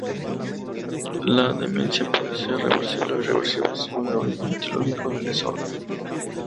La demencia puede ser reversible o irreversible según el origen etiológico del desorden.